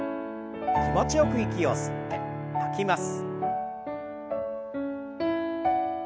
気持ちよく息を吸って吐きます。